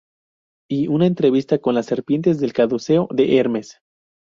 Y una entrevista con las serpientes del caduceo de Hermes.